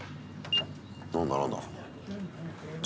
何だ何だ。